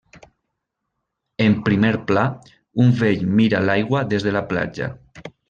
En primer pla, un vell mira l'aigua des de la platja.